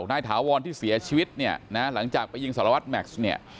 ถาวรที่เสียชีวิตเนี่ยนะหลังจากไปยิงสารวัตรแม็กซ์เนี่ย